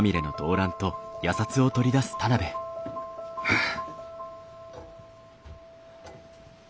はあ。